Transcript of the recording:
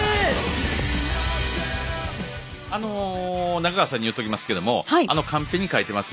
中川さんに言っときますけどもあのカンペに書いてます